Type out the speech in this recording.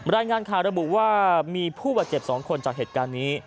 รายงานข่าวระบุว่ามีผู้บาดเจ็บ๒คนจากเหตุการณ์นี้